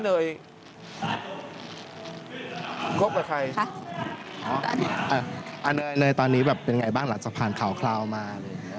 เนยตอนนี้เป็นอย่างไรบ้างหลังจากผ่านข่าวมา